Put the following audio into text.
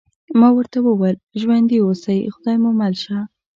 ما ورته وویل: ژوندي اوسئ، خدای مو مل شه.